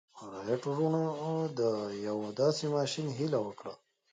رایټ وروڼو د یوه داسې ماشين هیله وکړه